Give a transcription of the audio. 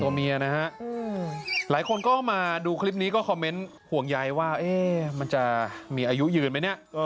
เมียนะฮะหลายคนก็มาดูคลิปนี้ก็คอมเมนต์ห่วงใยว่ามันจะมีอายุยืนไหมเนี่ย